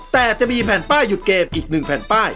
แต่จะมีแผ่นป้ายหยุดเกมอีก๑แผ่นป้าย